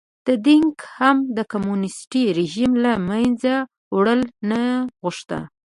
دینګ هم د کمونېستي رژیم له منځه وړل نه غوښتل.